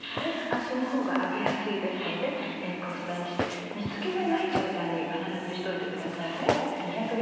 そのほうが揚げやすいですので小房にして水気がない状態に必ずしておいてくださいね。